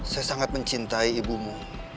saya sangat mencintai ibumu